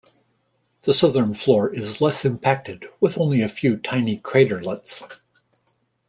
The southern floor is less impacted, with only a few tiny craterlets.